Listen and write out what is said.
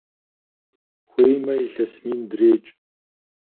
Хуеймэ илъэс мин дрекӀ!